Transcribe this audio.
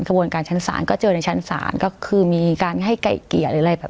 กระบวนการชั้นศาลก็เจอในชั้นศาลก็คือมีการให้ไก่เกลี่ยหรืออะไรแบบ